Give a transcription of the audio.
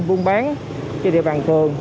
buôn bán trên địa bàn thường